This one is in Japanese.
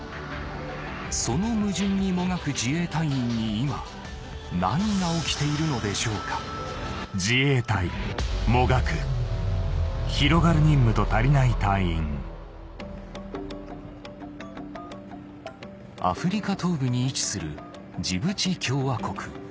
その矛盾にもがく自衛隊員に今何が起きているのでしょうかアフリカ東部に位置するジブチ共和国